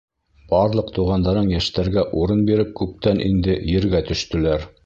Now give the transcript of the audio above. Барлыҡ туғандарың йәштәргә урын биреп күптән инде ергә төштөләр.